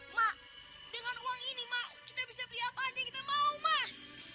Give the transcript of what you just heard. mak dengan uang ini mak kita bisa beli apa aja kita mau mas